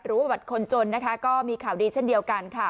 บัตรคนจนนะคะก็มีข่าวดีเช่นเดียวกันค่ะ